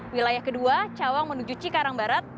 wilayah kedua cawang menuju cikarang barat